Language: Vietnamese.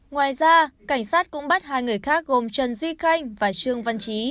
ngoài ra cảnh sát cũng bắt hai người khác gồm trần duy khanh và trương văn trí